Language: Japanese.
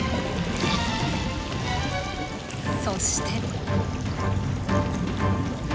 そして。